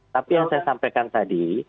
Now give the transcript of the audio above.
tapi yang saya sampaikan tadi